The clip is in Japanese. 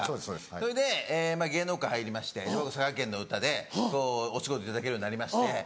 それで芸能界入りまして佐賀県の歌でお仕事頂けるようになりまして。